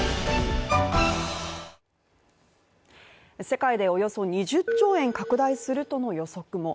世界でおよそ２０兆円拡大するとの予測も。